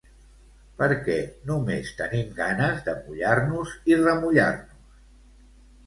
perquè només tenim ganes de mullar-nos i remullar-nos